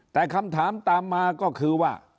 แต่คำถามตามมาก็คือว่า